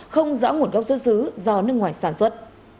không rõ nguồn gốc xuất xứ do nước ngoài sản xuất